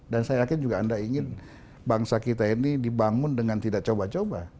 dan saya yakin anda juga ingin bangsa kita ini dibangun dengan tidak coba coba